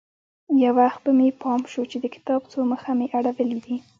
يو وخت به مې پام سو چې د کتاب څو مخه مې اړولي دي.